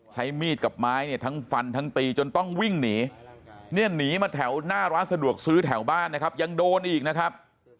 ใช้มีดกับไม้เนี่ยทั้งฟันทั้งตีจนต้องวิ่งหนีเนี่ยหนีมาแถวหน้าร้านสะดวกซื้อแถวบ้านนะครับยังโดนอีกนะครับ